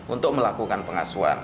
untuk melakukan pengasuhan